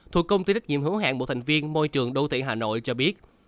thuộc công ty đắc nhiệm hữu hẹn bộ thành viên môi trường đô thị hà nội cho biết